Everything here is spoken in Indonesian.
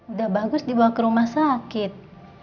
udah bagus dibawa ke rumah sakit